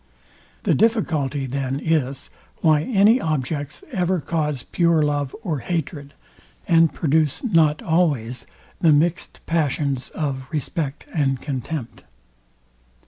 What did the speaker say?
The difficulty then is, why any objects ever cause pure love or hatred, and produce not always the mixt passions of respect and contempt.